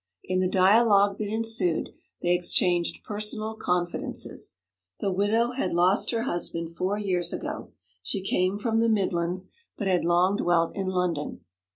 In the dialogue that ensued, they exchanged personal confidences. The widow had lost her husband four years ago; she came from the Midlands, but had long dwelt in London.